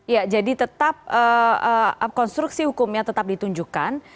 ya jadi tetap konstruksi hukumnya tetap ditunjukkan